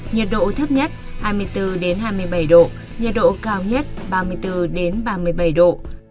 nhiệt độ thấp nhất hai mươi bốn hai mươi bảy độ nhiệt độ cao nhất ba mươi bốn ba mươi bảy độ